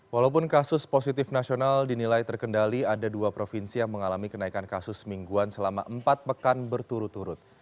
walaupun kasus positif nasional dinilai terkendali ada dua provinsi yang mengalami kenaikan kasus mingguan selama empat pekan berturut turut